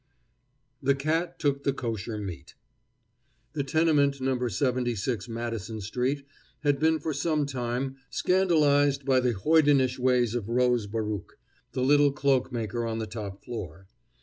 THE CAT TOOK THE KOSHER MEAT The tenement No. 76 Madison street had been for some time scandalized by the hoidenish ways of Rose Baruch, the little cloakmaker on the top floor.